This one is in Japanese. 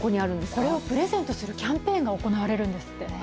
これをプレゼントするキャンペーンが行われるんですって。